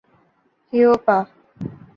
ہیوپا